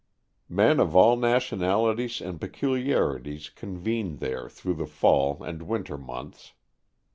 Men of all nation alities and peculiarities convene there through the fall and winter months.